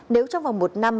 nếu trong vòng một năm